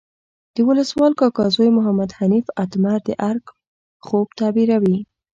د ولسوال کاکا زوی محمد حنیف اتمر د ارګ خوب تعبیروي.